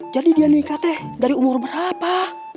jadi dia nikah teh dari umur berapa